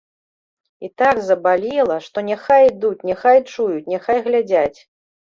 І так забалела, што няхай ідуць, няхай чуюць, няхай глядзяць.